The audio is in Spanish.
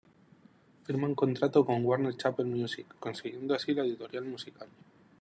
Firman contrato con Warner Chappell Music, consiguiendo así la editorial musical.